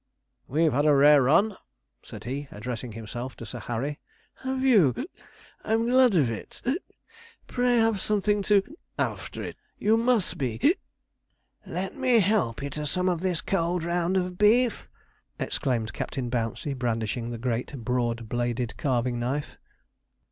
'We've had a rare run,' said he, addressing himself to Sir Harry. 'Have you? I'm glad of it. Pray have something to after it; you must be.' 'Let me help you to some of this cold round of beef?' exclaimed Captain Bouncey, brandishing the great broad bladed carving knife.